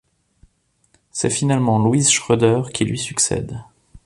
C'est finalement Louise Schroeder qui lui succède.